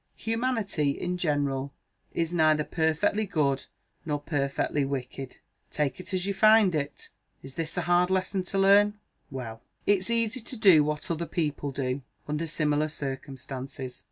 Humanity, in general, is neither perfectly good nor perfectly wicked: take it as you find it. Is this a hard lesson to learn? Well! it's easy to do what other people do, under similar circumstances.